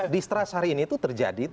distrust hari ini itu terjadi